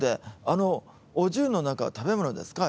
あのお重の中は食べ物ですか？